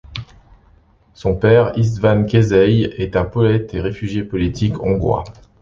Son père Istvan Keszei est un poète et réfugié politique hongrois.